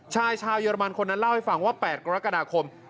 ชายชาวเยอรมันคนนั้นเล่าให้ฟังว่า๘กรกฎาคม